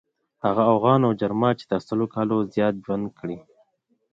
هغه اوغان او جرما چې تر سلو کالو زیات ژوند کړی.